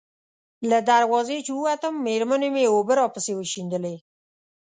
له دروازې چې ووتم، مېرمنې مې اوبه راپسې وشیندلې.